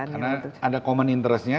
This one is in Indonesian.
karena ada common interestnya